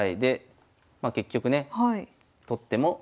結局ね取っても。